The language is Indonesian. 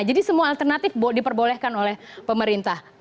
jadi semua alternatif diperbolehkan oleh pemerintah